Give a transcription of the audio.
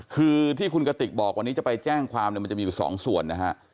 คือที่คุณกติกบอกวันนี้จะไปแจ้งความเนี่ยมันจะมีอยู่สองส่วนนะฮะ